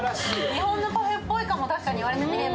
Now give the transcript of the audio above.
日本のパフェっぽいかも、確かに言われてみれば。